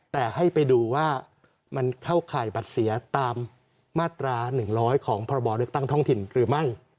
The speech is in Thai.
แต่ให้ไปดูว่ามันเข้าข่ายบัตรเสียตามมาตรา๑๐๐ของพบเลือกตั้งท้องถิ่นหรือไม่